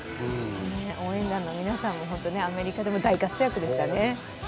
応援団の皆さんもアメリカでも大活躍でしたね。